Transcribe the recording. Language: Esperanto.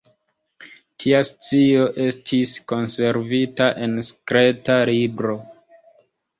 Tia scio estis konservita en sekreta libro.